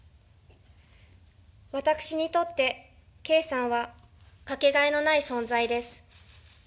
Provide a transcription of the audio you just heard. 私にとって、圭さんはかけがえのない存在です。